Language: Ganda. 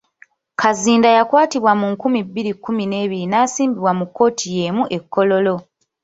Kazinda yakwatibwa mu nkumi bbiri kumi n'ebiri n'asimbibwa mu kkooti yeemu e Kololo.